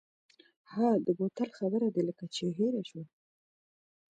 ها د بوتل خبره دې لکه چې هېره شوه.